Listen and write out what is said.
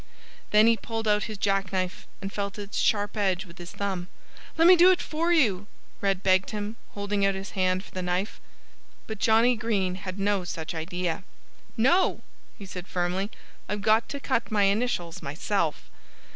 Then he pulled out his jackknife and felt its sharp edge with his thumb. "Lemme do it for you!" Red begged him, holding out his hand for the knife. But Johnnie Green had no such idea. "No!" he said firmly. "I've got to cut my initials myself."